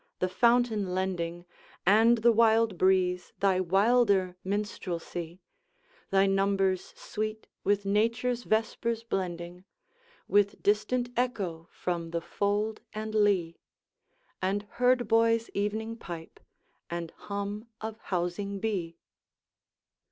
the fountain lending, And the wild breeze, thy wilder minstrelsy; Thy numbers sweet with nature's vespers blending, With distant echo from the fold and lea, And herd boy's evening pipe, and hum of housing bee.